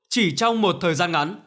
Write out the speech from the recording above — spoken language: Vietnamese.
chỉ trong một thời gian ngắn